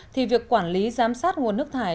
thì việc quản lý giám sát nguồn nước thải